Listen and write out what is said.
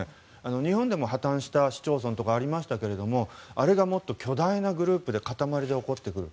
日本でも破綻した市町村とかありましたけどあれがもっと巨大なグループで塊で起こってくる。